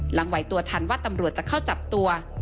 หลังไหวตัวทันว่าตำรวจจะเข้าจับตัว